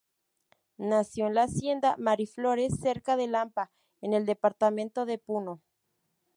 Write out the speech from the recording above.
Nació en la hacienda Miraflores, cerca de Lampa, en el departamento de Puno.